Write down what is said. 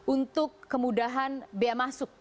untuk kemudahan biaya masuk